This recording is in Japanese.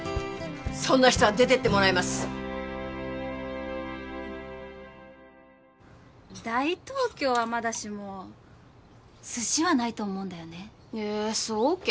そんな人は出てってもらいます「大東京」はまだしも「寿司」はないと思うんだよねえーそうけ？